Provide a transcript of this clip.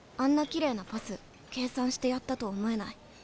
きれいなパス計算してやったと思えない。